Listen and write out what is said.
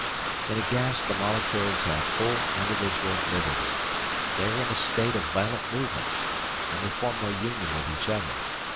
In a gas the molecules have full individual liberty. They are in a state of violent movement, and they form no union with each other.